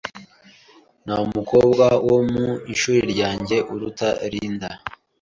Nta mukobwa wo mu ishuri ryanjye uruta Linda.